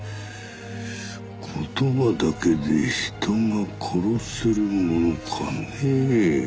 言葉だけで人が殺せるものかねえ？